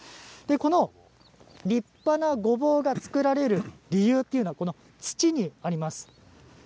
この立派なごぼうが作られる理由というのは土にあります。